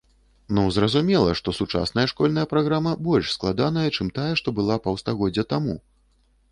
Ну, зразумела, што сучасная школьная праграма больш складаная, чым тая, што была паўстагоддзя таму!